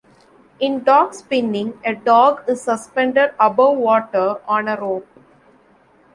In dog spinning, a dog is suspended above water on a rope.